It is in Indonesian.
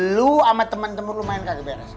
lu sama temen temen lumayan kagak beres